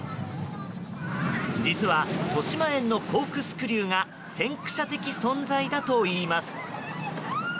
実は、としまえんのコークスクリューが先駆者的存在だといいます。